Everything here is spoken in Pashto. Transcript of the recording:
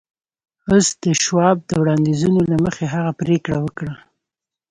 اوس د شواب د وړاندیزونو له مخې هغه پرېکړه وکړه